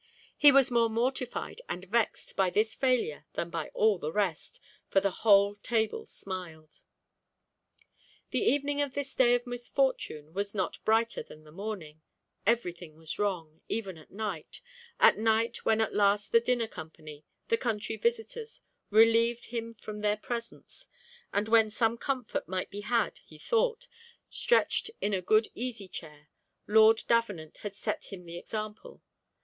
He was more mortified and vexed by this failure than by all the rest, for the whole table smiled. The evening of this day of misfortune was not brighter than the morning, everything was wrong even at night at night when at last the dinner company, the country visitors, relieved him from their presence, and when some comfort might be had, he thought, stretched in a good easy chair Lord Davenant had set him the example.